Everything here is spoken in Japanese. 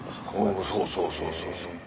そうそうそうそうそう。